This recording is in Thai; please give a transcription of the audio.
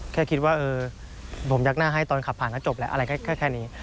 แค่คิดว่าเออผมยักหน้าให้ตอนขับผ่านก็จบแล้วอะไรแค่นี้